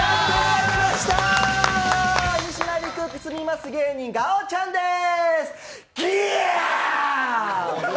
住みます芸人ガオちゃんです。